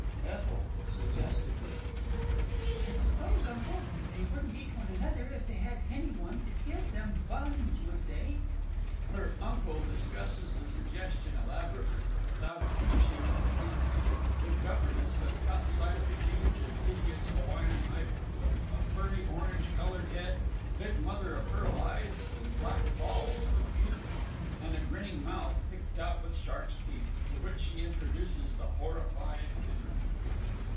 ETHEL (suggestively). But, I suppose, Uncle, they wouldn't eat one another if they had any one to give them buns, would they? [Her UNCLE discusses the suggestion elaborately, but without appreciating the hint; the GOVERNESS _has caught sight of a huge and hideous Hawaiian Idol, with a furry orange coloured head, big mother o' pearl eyes, with black balls for the pupils, and a grinning mouth picked out with shark's teeth, to which she introduces the horrified_ HENRY.